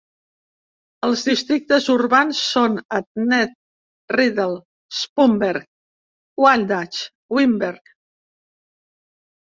Els districtes urbans són: Adnet, Riedl, Spumberg, Waidach, Wimberg.